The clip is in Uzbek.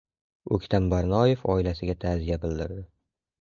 O‘ktam Barnoyev oilasiga ta’ziya bildirildi